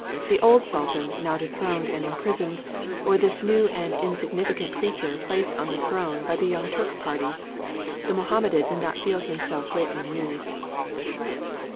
The old Sultan, now dethroned, and imprisoned, or this new and insignificant creature placed on the throne by the young Turk party? The Mohammedan did not feel himself greatly moved.